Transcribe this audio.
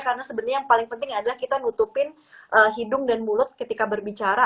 karena sebenarnya yang paling penting adalah kita nutupin hidung dan mulut ketika berbicara